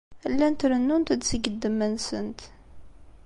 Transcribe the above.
Llant rennunt-d seg ddemma-nsent.